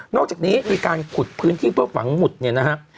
อกจากนี้มีการขุดพื้นที่เพื่อฝังหมุดเนี่ยนะครับ